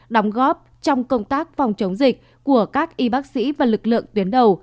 đóng góp trong công tác phòng chống dịch của các y bác sĩ và lực lượng tuyến đầu